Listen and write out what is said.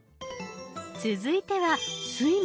続いては「睡眠」